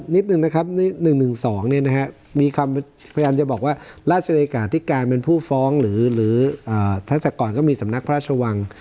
นิดนึงนะครับ๑๑๒มีความพยายามจะบอกว่าราชเลขาธิการเป็นผู้ฟ้องหรือทัศกรก็มีสำนักพระราชวัง